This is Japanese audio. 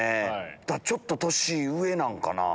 だからちょっと年上なんかな。